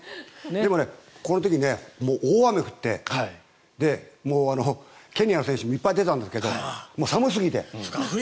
でもこの時大雨が降ってケニアの選手もいっぱい出たんだけど寒すぎて。